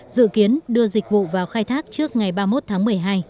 dự kiến đưa dịch vụ vào khai thác trước ngày ba mươi một tháng một mươi hai